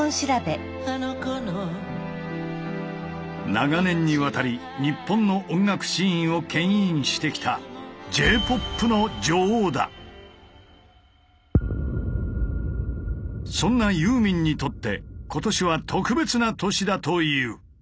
長年にわたり日本の音楽シーンをけん引してきたそんなユーミンにとって今年は特別な年だという。